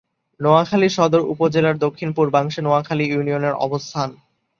নোয়াখালী সদর উপজেলার দক্ষিণ-পূর্বাংশে নোয়াখালী ইউনিয়নের অবস্থান।